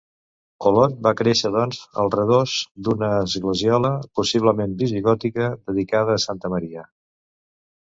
Olot va créixer, doncs, al redós d'una esglesiola, possiblement visigòtica, dedicada a Santa Maria.